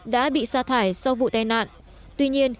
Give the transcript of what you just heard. đã bị sa thải sau vụ tai nạn